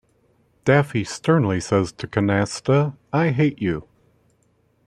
Daffy sternly says to Canasta I hate you.